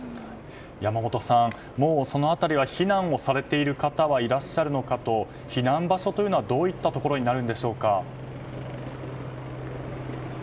山本さん、その辺りは避難をされている方はいらっしゃるのかというのと避難場所というのはどういったところになるんでしょうか。